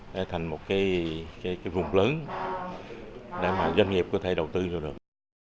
để thành một vùng lớn để doanh nghiệp có thể đầu tư vào được